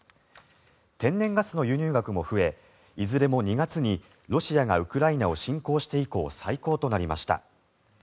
天然ガスの輸入額も増えいずれも２月にロシアがウクライナを侵攻して以降最高となりました。